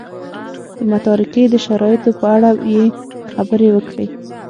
د متارکې د شرایطو په اړه یې خبرې وکړې.